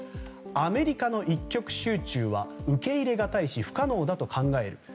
アメリカの一極集中は受け入れがたいし不可能だと考える。